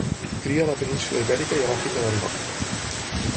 Cria a la península Ibèrica i a l'Àfrica del Nord.